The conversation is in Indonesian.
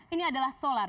ini adalah solar